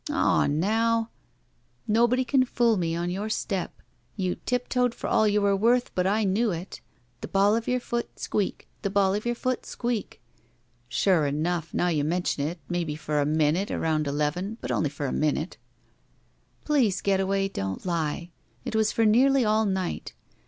"Aw now —" "Nobody can fool me on your step. You tiptoed for all you were worth, but I knew it! The ball of your f oot — squeak ! The ball of your foot— squeak !'* "Sure enough, now you mention it, maybe for a minute around deven, but only for a minute —" "Please, Getaway, don't lie. It was for nearly all night.